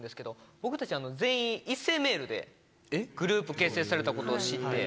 僕たち全員一斉メールでグループ結成されたことを知って。